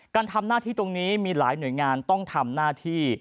การทำหน้าที่ตรงนี้มีหลายหน่วยงานต้องทำหน้าที่